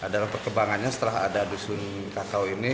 dalam perkembangannya setelah ada dusun kakao ini